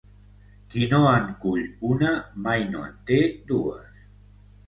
Qui no en cull una, mai no en té dues.